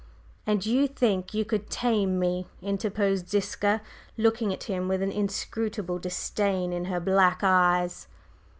"And you think you could tame me?" interposed Ziska, looking at him with an inscrutable disdain in her black eyes.